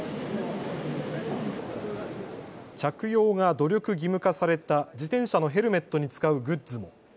着用が努力義務化された自転車のヘルメットに使うグッズも。